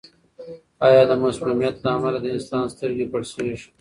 آیا د مسمومیت له امله د انسان سترګې پړسېږي؟